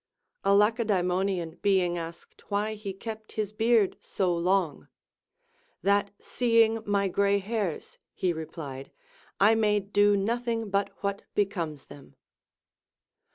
A Lace daemonian being asked why he kept his beard so long ; That seeing my gray hairs, he replied, I may do nothing LACONIC APOPHTHEGMS. 433 but what becomes them.